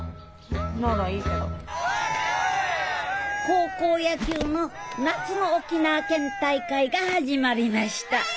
高校野球の夏の沖縄県大会が始まりました。